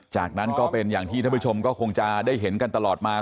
จากนั้นก็เป็นอย่างที่ท่านผู้ชมก็คงจะได้เห็นกันตลอดมา